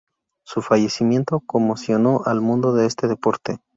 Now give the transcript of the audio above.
Su fallecimiento conmocionó al mundo de este deporte.